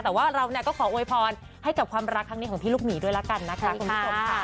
แต่ว่าเราก็ขอโอยพรให้กับความรักทางนี้ของพี่ลูกหมีด้วยแล้วกันนะคะ